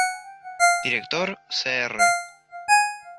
Director: Cr.